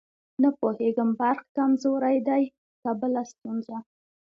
نه پوهېږم برق کمزورې دی که بله ستونزه.